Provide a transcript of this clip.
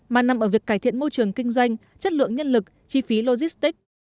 mà nằm ở việc cải thiện môi trường kinh doanh chất lượng nhân lực chi phí logistics